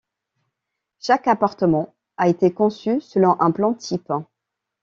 Chaque appartement a été conçu selon un plan type.